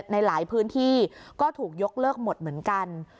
ในหลายพื้นที่ก็ถูกยกเลิกหมดเหมือนกัน